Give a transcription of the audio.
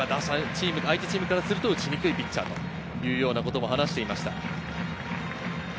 相手チームからすると打ちにくいピッチャーと話していました。